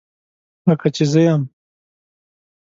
لکه زه چې یم